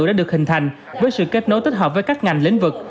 đã được hình thành với sự kết nối tích hợp với các ngành lĩnh vực